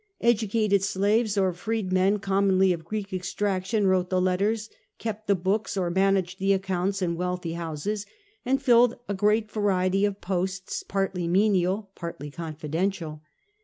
Educated slaves or freed men, commonly of Greek extraction, wrote the letters, kept the books, or managed the accounts in wealthy houses, and filled a great variety of posts, partly menial, partly confidential.